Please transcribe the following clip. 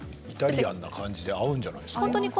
イタリアンな感じで合うんじゃないですか。